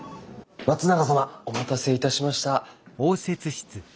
松永様お待たせいたしました。